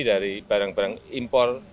dari barang barang impor